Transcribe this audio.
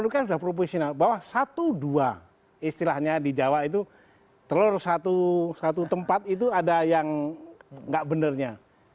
kan sudah profesional bahwa satu dua istilahnya di jawa itu telur satu tempat itu ada yang nggak benarnya